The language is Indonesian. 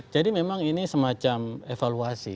jadi memang ini semacam evaluasi